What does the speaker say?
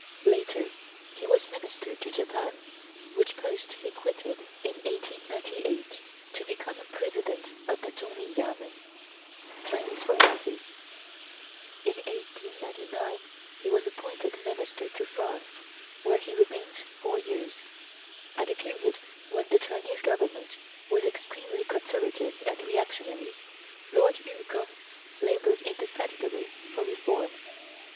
Later he was Minister to Japan, which post he quitted in 1898 to become President of the Tsung li yamen (Chinese Foreign Office). In 1899 he was appointed Minister to France, where he remained four years. At a period when the Chinese Government was extremely conservative and reactionary, Lord Yu Keng labored indefatigably for reform.